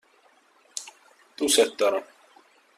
دوستت دارم.